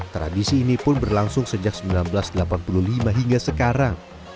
tradisi ini pun berlangsung sejak seribu sembilan ratus delapan puluh lima hingga sekarang